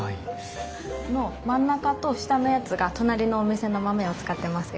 この真ん中と下のやつが隣のお店の豆を使ってますよ。